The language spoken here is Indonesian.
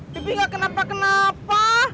pipi gak kenapa kenapa